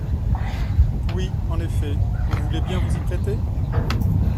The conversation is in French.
Oui, en effet. Vous voulez bien vous y prêter?